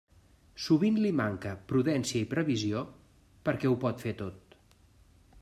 Sovint li manca prudència i previsió, perquè ho pot fer tot.